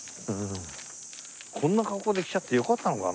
こんな格好で来ちゃってよかったのかな？